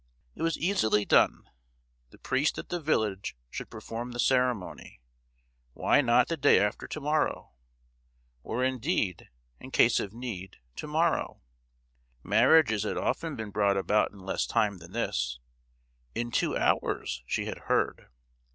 It was easily done: the priest at the village should perform the ceremony; why not the day after to morrow? or indeed, in case of need, to morrow? Marriages had often been brought about in less time than this—in two hours, she had heard!